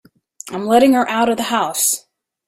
I'm letting her out of the house.